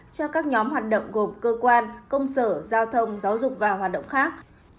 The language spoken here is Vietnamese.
cho các nhóm hoạt động gồm cơ quan công sở giao thông giáo dục và hoạt động khác